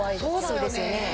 そうですよね。